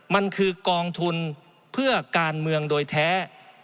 มันคือกองทุนเพื่อการเมืองโดยแท้